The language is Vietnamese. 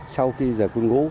sau khi giờ quân vũ